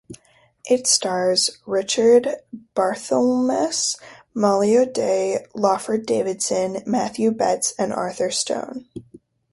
It stars Richard Barthelmess, Molly O'Day, Lawford Davidson, Matthew Betz and Arthur Stone.